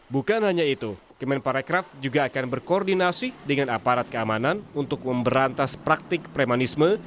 bukan hanya itu kemenparekraf juga akan berkoordinasi dengan aparat keamanan untuk memberantas praktik premanisme